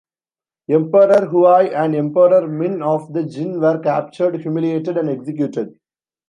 Emperor Huai and Emperor Min of the Jin were captured, humiliated and executed.